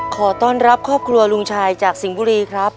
ขอต้อนรับครอบครัวลุงชายจากสิงห์บุรีครับ